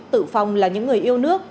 tự phòng là những người yêu nước